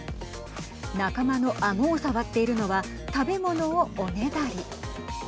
仲間のあごを触っているのは食べ物をおねだり。